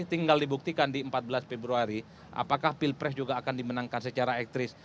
tinggal dibuktikan di empat belas februari apakah pilpres juga akan dimenangkan secara ekstris